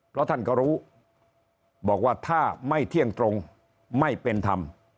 เพราะท่านก็รู้บอกว่าถ้าไม่เที่ยงตรงไม่เป็นธรรม